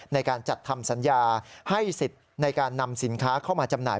ในการจัดทำสัญญาให้สิทธิ์ในการนำสินค้าเข้ามาจำหน่าย